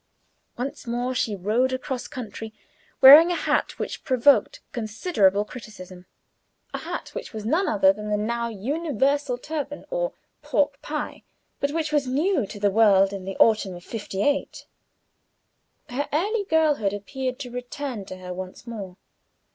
Once more she rode across country, wearing a hat which provoked considerable criticism a hat which was no other than the now universal turban, or pork pie, but which was new to the world in the autumn of fifty eight. Her earlier girlhood appeared to return to her once more.